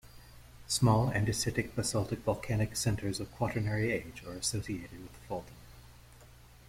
Small andesitic-basaltic volcanic centres of Quaternary age are associated with faulting.